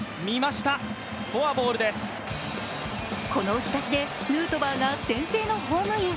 この押し出しでヌートバーが先制のホームイン。